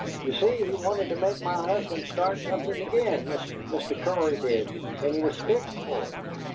You see he wanted to make my husband start something again, this Mr. Cory did, and he was fixed for it."